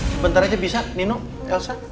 sebentar aja bisa nino elsa